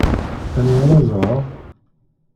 Anwa ara ẓṛeɣ?